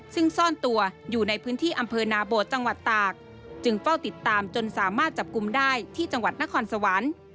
ซึ่งซ่อนตัวอยู่ในพื้นที่อำเภอนาโบดจังหวัดตากจึงเฝ้าติดตามจนสามารถจับกลุ่มได้ที่จังหวัดนครสวรรค์